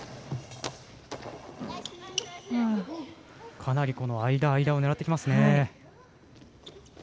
かなり間、間を狙ってきます。